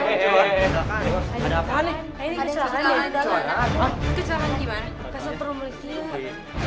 eh ada kesalahan nih